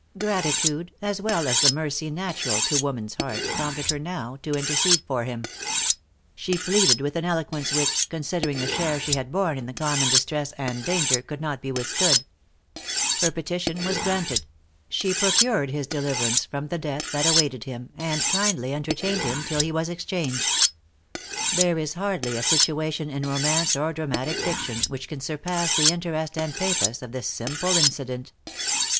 Gratitude, as well as the mercy natural to woman's heart, prompted her now to intercede for him. She pleaded with an eloquence which, considering the share she had borne in the common distress and danger, could not be withstood. Her petition was granted; she procured his deliverance from the death that awaited him, and kindly entertained him till he was exchanged. There is hardly a situation in romance or dramatic fiction, which can surpass the interest and pathos of this simple incident.